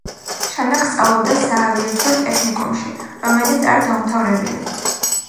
შემდეგ სწავლობდა საავიაციო ტექნიკუმში, რომელიც არ დაუმთავრებია.